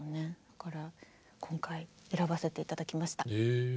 だから今回選ばせて頂きました。